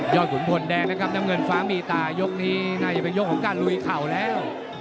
ขุนพลแดงนะครับน้ำเงินฟ้ามีตายกนี้น่าจะเป็นยกของการลุยเข่าแล้ว